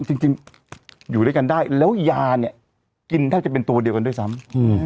จริงอยู่ด้วยกันได้แล้วยาเนี่ยกินแทบจะเป็นตัวเดียวกันด้วยซ้ำ